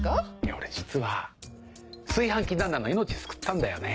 俺実は炊飯器旦那の命救ったんだよね。